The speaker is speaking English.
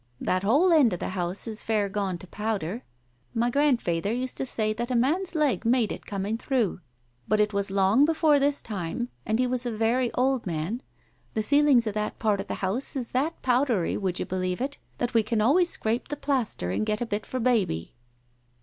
That whole end o' the house is fair gone to powder. My grandfeyther used for to say that a man's leg made it coming through. But it was long before his time, and he were a very old man. The ceilings of that part of the house is that powdery, would you believe it, that we can always scrape the plaster and get a bit for baby."